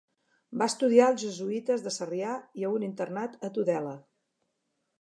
Va estudiar als Jesuïtes de Sarrià i a un internat a Tudela.